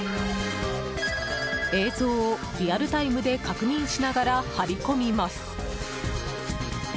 映像をリアルタイムで確認しながら、張り込みます。